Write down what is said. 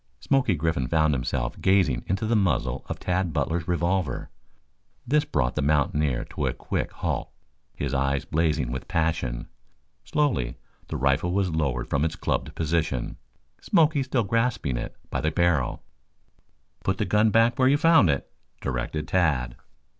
Smoky Griffin found himself gazing into the muzzle of Tad Butler's revolver. This brought the mountaineer to a quick halt, his eyes blazing with passion. Slowly the rifle was lowered from its clubbed position, Smoky still grasping it by the barrel. "Put the gun back where you found it," directed Tad.